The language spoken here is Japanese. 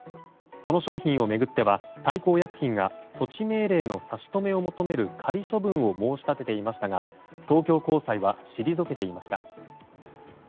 この商品を巡っては大幸薬品が措置命令の差し止めを求める仮処分を申し立てていましたが東京高裁は退けていました。